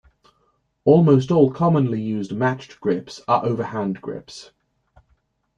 Almost all commonly used matched grips are overhand grips.